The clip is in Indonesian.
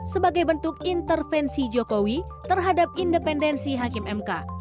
sebagai bentuk intervensi joko widodo terhadap independensi hakim mk